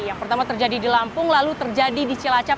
yang pertama terjadi di lampung lalu terjadi di cilacap